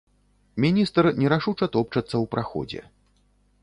Міністр нерашуча топчацца ў праходзе.